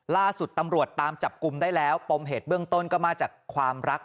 ล่าสุดตำรวจตามจับกลุ่มได้แล้วปมเหตุเบื้องต้นก็มาจากความรัก